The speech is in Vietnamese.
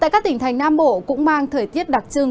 cảnh nam bộ cũng mang thời tiết đặc trưng